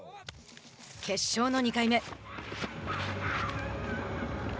決勝の２回目。